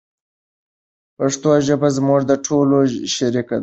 پښتو ژبه زموږ د ټولو شریکه ده.